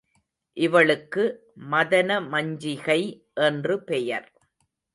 இவளுக்கு மதன மஞ்சிகை என்று பெயர்.